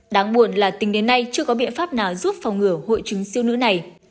đáng buồn là tình đến nay chưa có biện pháp nào giúp phòng ngửa hội chứng siêu nữ này